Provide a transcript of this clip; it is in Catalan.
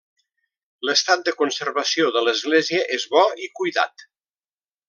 L'estat de conservació de l'església és bo i cuidat.